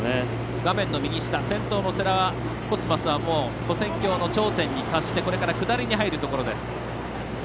画面の右下先頭の世羅とコスマス跨線橋の頂点に達して下りに入るところです。